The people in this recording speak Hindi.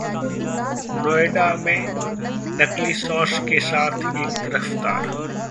नोएडा में नकली सॉस के साथ एक गिरफ्तार